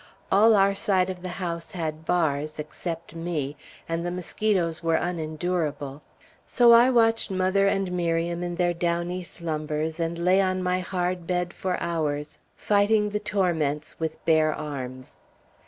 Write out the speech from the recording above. All our side of the house had bars, except me; and the mosquitoes were unendurable; so I watched mother and Miriam in their downy slumbers and lay on my hard bed for hours, fighting the torments with bare arms.